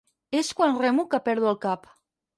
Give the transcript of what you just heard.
És quan remo que perdo el cap.